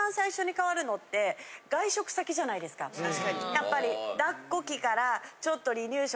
やっぱり。